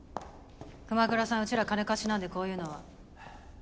熊倉さんうちら金貸しなんでこういうのは。